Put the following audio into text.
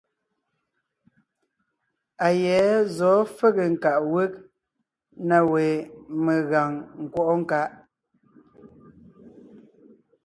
A yɛ̌ zɔ̌ fege nkaʼ wég na we megàŋ nkwɔ́ʼɔ nkaʼ.